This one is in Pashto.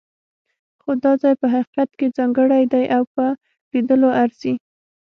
خو دا ځای په حقیقت کې ځانګړی دی او په لیدلو ارزي.